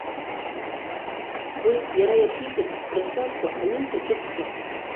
Уа иара иаԥиҵеит крызҵазкуа аҩымҭа ҿыцқәа.